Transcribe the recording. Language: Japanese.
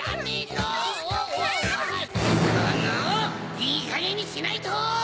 いいかげんにしないと！